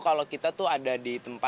selalu ibu makan kopi